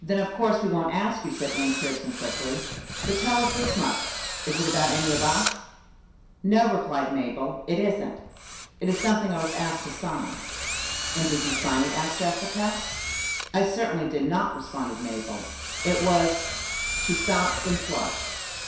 "Then, of course, we won't ask you," said Anne Pierson quickly. "But tell us this much is it about any of us?" "No," replied Mabel. "It isn't. It is something I was asked to sign." "And did you sign it?" asked Jessica. "I certainly did not," responded Mabel. "It was " she stopped, then flushed.